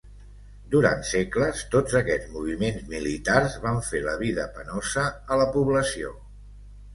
Durant segles tots aquests moviments militars van fer la vida penosa a la població.